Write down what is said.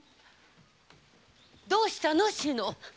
どうしたの志野？